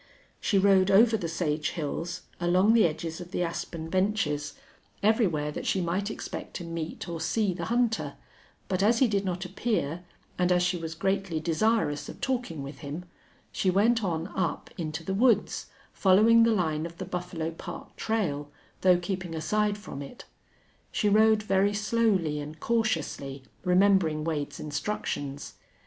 She rode over the sage hills, along the edges of the aspen benches, everywhere that she might expect to meet or see the hunter, but as he did not appear, and as she was greatly desirous of talking with him, she went on up into the woods, following the line of the Buffalo Park trail, though keeping aside from it. She rode very slowly and cautiously, remembering Wade's instructions.